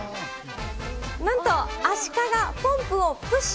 なんと、アシカがポンプをプッシュ。